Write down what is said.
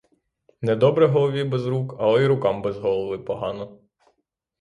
Недобре голові без рук, але й рукам без голови погано.